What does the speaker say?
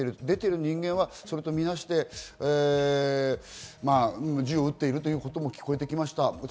出てる人間はそれとみなして、銃を撃っているということも聞こえてきました。